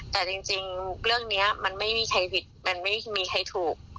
แต่จริงเรื่องนี้มันไม่มีโควิดมันไม่มีใครถูก